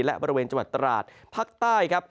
และบริเวณจังหวัดตราดภาคใต้ครับ